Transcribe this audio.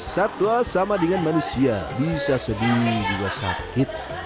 satwa sama dengan manusia bisa sedih juga sakit